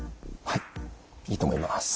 はいいいと思います。